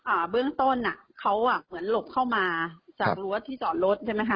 อ่าเบื้องต้นอ่ะเขาอ่ะเหมือนหลบเข้ามาจากรั้วที่จอดรถใช่ไหมคะ